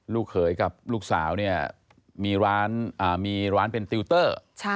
ลูกเขยกับลูกสาวเนี่ยมีร้านเป็นติวเตอร์